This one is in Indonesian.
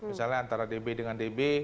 misalnya antara db dengan db